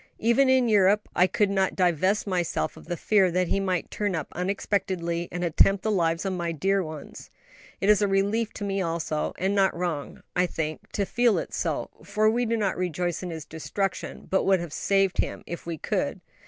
Even in Europe, I could not divest myself of the fear that he might turn up unexpectedly, and attempt the lives of my dear ones." "It is a relief to me also, and not wrong, I think, to feel it so; for we do not rejoice in his destruction, but would have saved him, if we could.